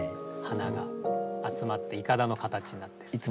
花が集まっていかだの形になってる。